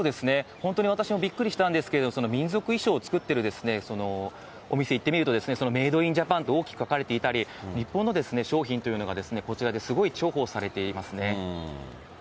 本当に私もびっくりしたんですけれども、民族衣装を作ってるお店行ってみると、メイド・イン・ジャパンと大きく書かれていたり、日本の商品というのが、こちらですごい重宝されていますね。